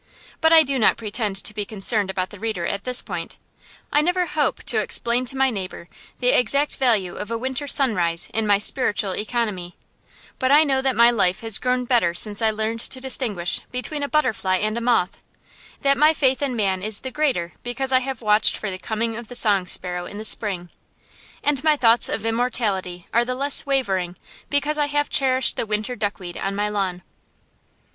But I do not pretend to be concerned about the reader at this point. I never hope to explain to my neighbor the exact value of a winter sunrise in my spiritual economy, but I know that my life has grown better since I learned to distinguish between a butterfly and a moth; that my faith in man is the greater because I have watched for the coming of the song sparrow in the spring; and my thoughts of immortality are the less wavering because I have cherished the winter duckweed on my lawn.